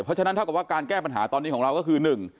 เพราะฉะนั้นเท่ากับว่าการแก้ปัญหาตอนนี้ของเราก็คือหนึ่ง